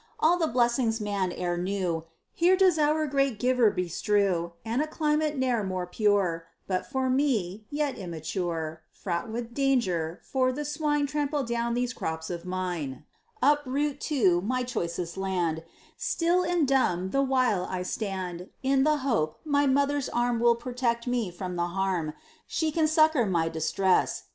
All the blessings man e'er knew, Here does Our Great Giver strew (And a climate ne'er more pure), But for me, yet immature, Fraught with danger, for the swine Trample down these crops of mine; Up root, too, my choicest land; Still and dumb, the while, I stand, In the hope, my mother's arm Will protect me from the harm. She can succor my distress.